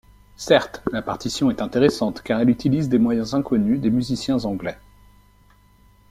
Certes, la partition est intéressante car elle utilise des moyens inconnus des musiciens anglais.